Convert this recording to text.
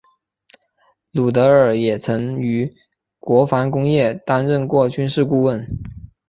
鲁德尔也曾于国防工业担任过军事顾问。